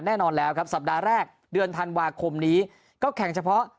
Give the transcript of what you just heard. แน่นอนแล้วครับสัปดาห์แรกเดือนธันวาคมนี้ก็แข่งเฉพาะ